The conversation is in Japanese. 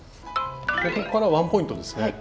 ここからワンポイントですね。